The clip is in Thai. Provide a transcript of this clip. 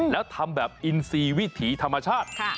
แล้วทำแบบอินซีวิถีธรรมชาติ